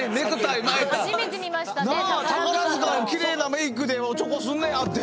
宝塚のきれいなメークでおちょこすんねやって。